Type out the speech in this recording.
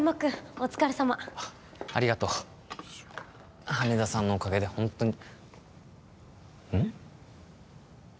お疲れさまあありがとう羽田さんのおかげでホントにうん？